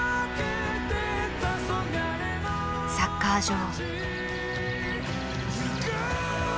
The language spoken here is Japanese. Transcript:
サッカー場。